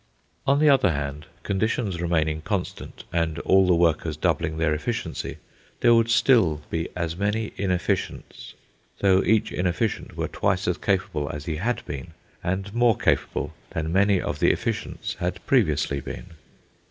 On the other hand, conditions remaining constant and all the workers doubling their efficiency, there would still be as many inefficients, though each inefficient were twice as capable as he had been and more capable than many of the efficients had previously been.